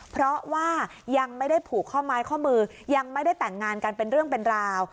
เพราะว่ายังไม่ได้ผูกข้อไม้ข้อมือยังไม่ได้แต่งงานกันเป็นเรื่องเป็นราว